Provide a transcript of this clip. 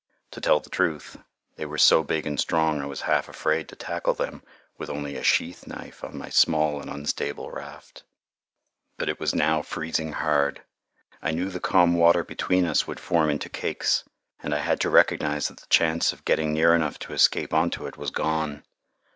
To tell the truth, they were so big and strong I was half afraid to tackle them with only a sheath knife on my small and unstable raft. But it was now freezing hard. I knew the calm water between us would form into cakes, and I had to recognize that the chance of getting near enough to escape on to it was gone.